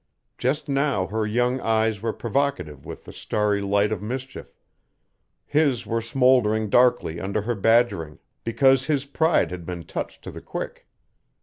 Just now her young eyes were provocative with the starry light of mischief. His were smoldering darkly under her badgering because his pride had been touched to the quick.